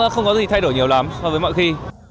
không có gì thay đổi nhiều lắm so với mọi khi